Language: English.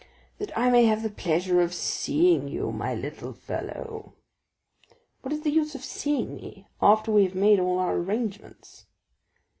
"That I may have the pleasure of seeing you, my little fellow." "What is the use of seeing me after we have made all our arrangements?"